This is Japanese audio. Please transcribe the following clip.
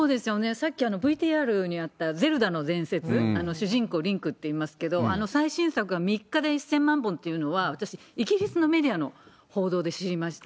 さっきＶＴＲにあったゼルダの伝説、主人公、リンクっていいますけど、あの最新作が３日で１０００万本というのは、私、イギリスのメディアの報道で知りました。